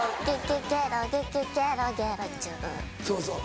そうそう